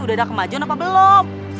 udah ada kemajuan apa belum